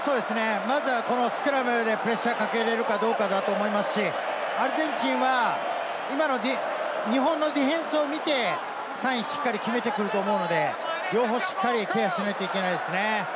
まずはスクラムでプレッシャーをかけれるかどうかだと思いますし、アルゼンチンは今の日本のディフェンスを見て、サインしっかり決めてくると思うので、両方しっかりケアしないといけないですね。